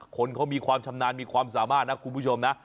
คนเขามีความชำนาญมีความสามารถนะคุณผู้ชมนะ